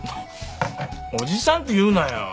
おじさんって言うなよ。